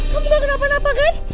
kamu gak kena apa apa kan